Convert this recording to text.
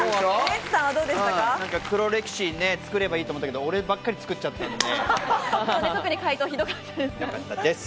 なんか黒歴史作ればよかったけれども、俺ばっかり作っちゃったんで。